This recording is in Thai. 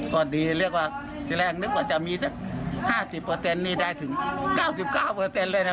พอดีเรียกว่าที่แรกนึกว่าจะมีสัก๕๐นี่ได้ถึง๙๙เลยนะ